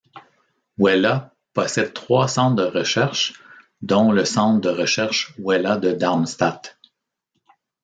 Wella possède trois centres de recherche dont le centre de recherche Wella de Darmstadt.